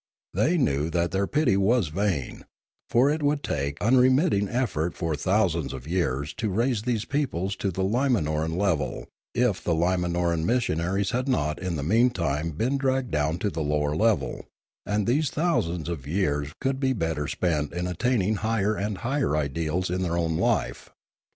They knew that their pity was vain; for it would take unremitting effort for thousands of years to raise these peoples to the Umaiioran level, if the l,imanoran missionaries had not in the meantime been dragged down to the lower level ; and these thousands of years could be better spent in attaining higher and higher ideals in their own life.